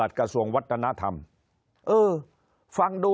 คนในวงการสื่อ๓๐องค์กร